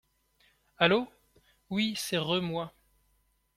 Allô !… oui, c’est re-moi.